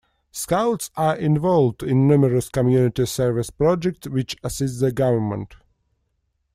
Scouts are involved in numerous community service projects which assist the government.